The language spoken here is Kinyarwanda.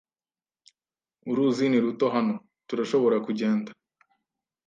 Uruzi ni ruto hano. Turashobora kugenda.